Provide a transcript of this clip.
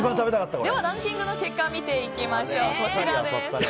では、ランキングの結果を見ていきましょう。